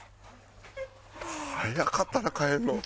速かったな帰るの。